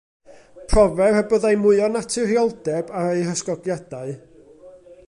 Profer y byddai mwy o naturioldeb ar eu hysgogiadau.